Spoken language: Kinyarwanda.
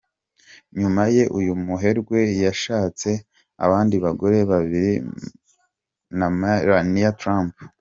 Nyuma ye uyu muherwe yashatse abandi bagore babiri Marla Maples na Melania Trump.